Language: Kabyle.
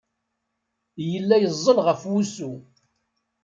Yella yeẓẓel ɣef wusu.